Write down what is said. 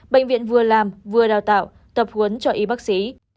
bệnh viện vừa làm vừa đào tạo tập huấn cho y bác sĩ